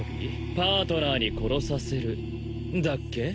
パートナーに殺させるだっけ？